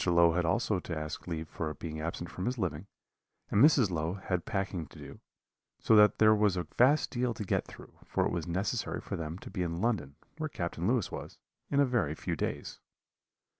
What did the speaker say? Low had also to ask leave for being absent from his living, and Mrs. Low had packing to do; so that there was a vast deal to get through, for it was necessary for them to be in London, where Captain Lewis was, in a very few days.